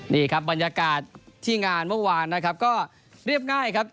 นี่ครับบรรยากาศที่งานเมื่อวานนะครับก็เรียบง่ายครับ